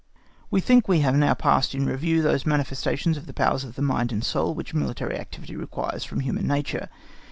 We think we have now passed in review those manifestations of the powers of mind and soul which military activity requires from human nature.